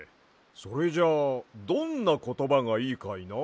それじゃあどんなことばがいいかいな？